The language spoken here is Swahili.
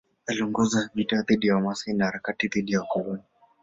Aliongoza vita dhidi ya Wamasai na harakati dhidi ya wakoloni.